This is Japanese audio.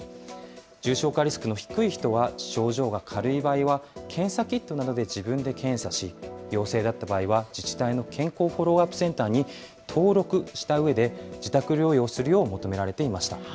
重症化リスクの低い人は、症状が軽い場合は検査キットなどで自分で検査し、陽性だった場合は、自治体の健康フォローアップセンターに登録したうえで、自宅療養するよう求められていました。